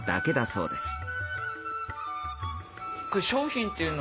そうですね。